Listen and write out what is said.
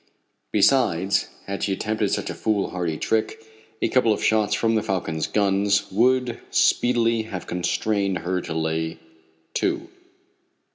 Besides, had she attempted such a foolhardy trick, a couple of shots from the Falcon's guns would speedily have constrained her to lay to.